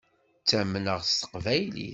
Ttamneɣ s teqbaylit.